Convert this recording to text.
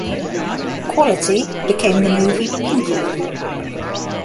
"Quality" became the movie "Pinky".